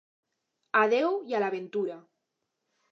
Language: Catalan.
A Déu i a la ventura.